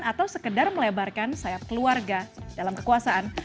atau sekedar melebarkan sayap keluarga dalam kekuasaan